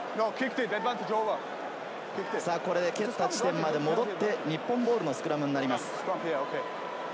これで蹴った地点まで戻って日本ボールのスクラムになります。